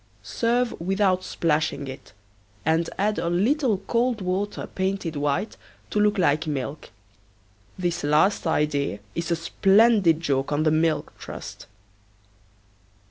Serve without splashing it, and add a little cold water painted white to look like milk. This last idea is a splendid joke on the Milk Trust.